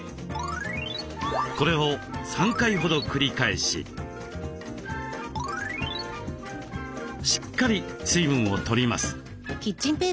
これを３回ほど繰り返ししっかり水分を取ります。